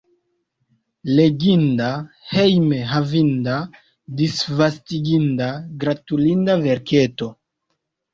Leginda, hejme havinda, disvastiginda, gratulinda verketo.